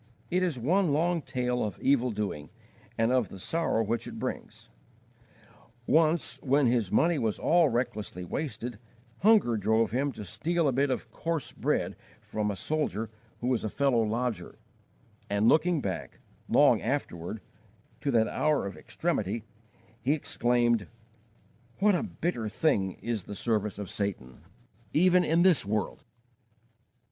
It is one long tale of evil doing and of the sorrow which it brings. Once, when his money was all recklessly wasted, hunger drove him to steal a bit of coarse bread from a soldier who was a fellow lodger; and looking back, long afterward, to that hour of extremity, he exclaimed, "What a bitter thing is the service of Satan, even in this world!"